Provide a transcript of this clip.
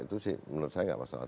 itu sih menurut saya nggak masalah